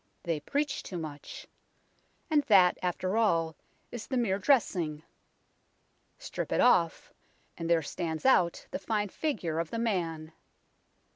They preach too much. And that, after all, is the mere dressing. Strip it off, and there stands out the fine figure of the man.